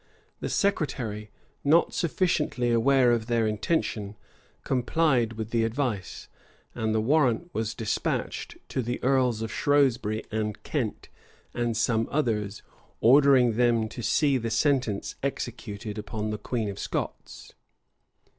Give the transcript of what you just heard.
[*] The secretary, not sufficiently aware of their intention, complied with the advice; and the warrant was despatched to the earls of Shrewsbury and Kent, and some others, ordering them to see the sentence executed upon the queen of Scots.